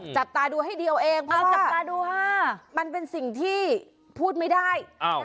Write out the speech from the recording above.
จัดตาดูให้ดีเอาเองเพราะว่ามันเป็นสิ่งที่พูดไม่ได้